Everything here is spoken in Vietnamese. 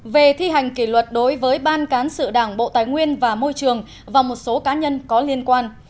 ba về thi hành kỷ luật đối với ban cán sự đảng bộ tài nguyên và môi trường và một số cá nhân có liên quan